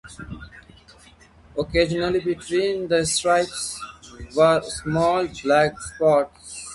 Occasionally, between the stripes, were small black spots.